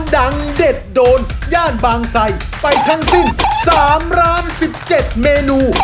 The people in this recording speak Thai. ดังเด็ดโดนย่านบางไซไปทั้งสิ้น๓ร้าน๑๗เมนู